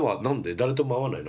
誰とも会わないの？